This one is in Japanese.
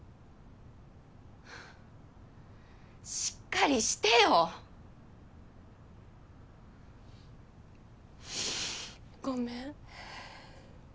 はぁしっかりしてよ。ごめん。